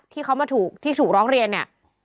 ที่เขามาถูกที่ถูกร้องเรียนเนี่ย